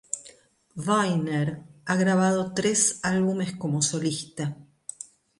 Weiner ha grabado tres álbumes como solista.